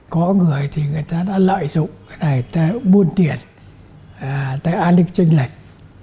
có người thì người ta đã lợi dụng cái này ta buôn tiền ta an ninh tranh lệch